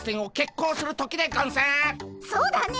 そうだね！